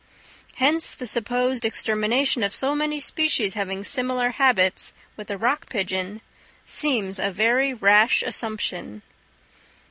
Hence the supposed extermination of so many species having similar habits with the rock pigeon seems a very rash assumption.